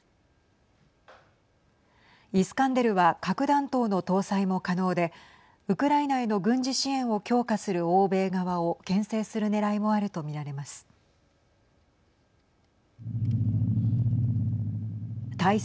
イスカンデルは核弾頭の搭載も可能でウクライナへの軍事支援を強化する欧米側をけん制するねらいもあると見られます。